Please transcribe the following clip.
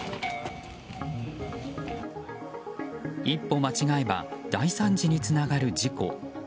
一歩間違えば大惨事につながる事故。